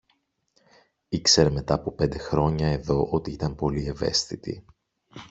Ήξερε μετά από πέντε χρόνια εδώ ότι ήταν πολύ ευαίσθητοι